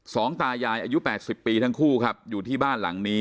ตายายอายุ๘๐ปีทั้งคู่ครับอยู่ที่บ้านหลังนี้